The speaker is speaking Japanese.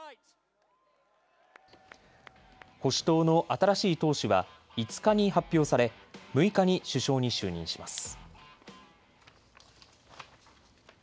保守党の新しい党首は５日に発表され６日に首相に就任します。